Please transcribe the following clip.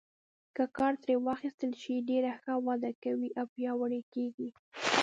که کار ترې واخیستل شي ډېره ښه وده کوي او پیاوړي کیږي.